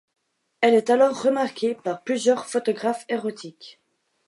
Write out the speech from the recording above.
Elle est alors remarquée par plusieurs photographes érotiques.